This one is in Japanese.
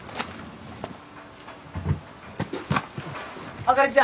あかりちゃん